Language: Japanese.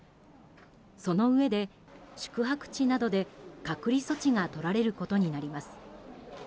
そのうえで宿泊地などで隔離措置が取られることになります。